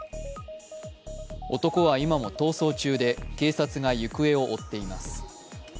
男は今も逃走中で警察が行方を追っています。